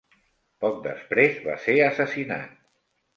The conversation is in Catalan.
Poc després va ser assassinat.